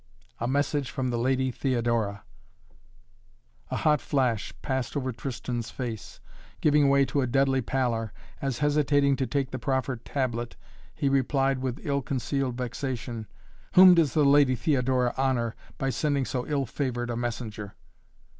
"A message from the Lady Theodora." A hot flush passed over Tristan's face, giving way to a deadly pallor as, hesitating to take the proffered tablet, he replied with ill concealed vexation: "Whom does the Lady Theodora honor by sending so ill favored a messenger?"